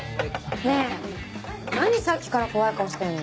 ねぇ何さっきから怖い顔してんの？